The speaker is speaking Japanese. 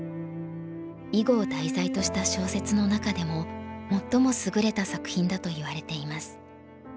囲碁を題材とした小説の中でも最も優れた作品だといわれています。